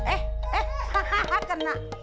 eh eh kena